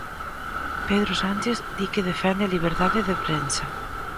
Pedro Sánchez di que defende a liberdade de prensa.